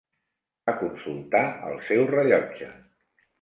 Va consultar el seu rellotge.